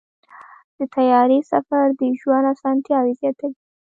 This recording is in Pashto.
د طیارې سفر د ژوند اسانتیاوې زیاتوي.